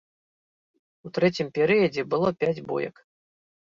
У трэцім перыядзе было пяць боек.